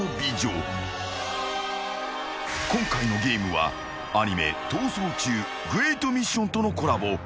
［今回のゲームはアニメ『逃走中グレートミッション』とのコラボ］